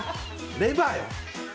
レバーだよ。